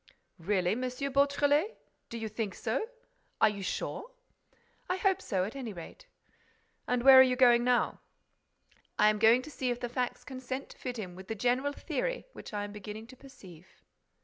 "Really, M. Beautrelet—do you think so? Are you sure?" "I hope so, at any rate." "And where are you going now?" "I am going to see if the facts consent to fit in with the general theory which I am beginning to perceive."